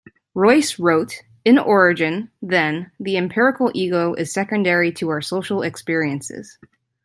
Royce wrote: In origin, then, the empirical Ego is secondary to our social experiences.